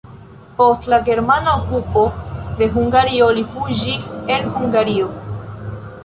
Post la germana okupo de Hungario li fuĝis el Hungario.